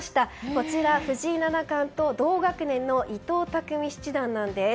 こちら、藤井七冠と同学年の伊藤匠七段なんです。